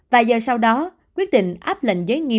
vài giờ sau đó quyết định áp lệnh giới nghiêm